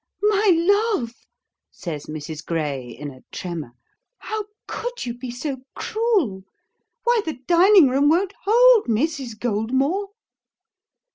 'My love,' says Mrs. Gray, in a tremor, 'how could you be so cruel? Why, the dining room won't hold Mrs. Goldmore.'